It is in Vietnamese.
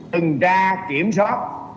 tuần tra kiểm soát